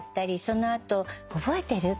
その後覚えてる？